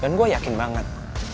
dan gue yakin banget